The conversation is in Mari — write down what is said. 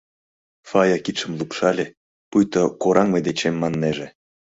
Фая кидшым лупшале, пуйто «Кораҥ мый дечем» маннеже.